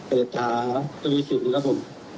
เศรษฐาทริสุทธิ์ครับผม